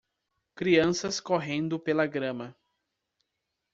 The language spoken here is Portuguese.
Crianças correndo pela grama.